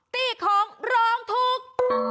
ตี้ของร้องทุกข์